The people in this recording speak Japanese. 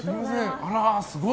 あらあ、すごい。